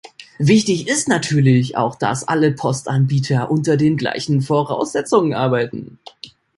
Wichtig ist natürlich auch, dass alle Postanbieter unter den gleichen Voraussetzungen arbeiten.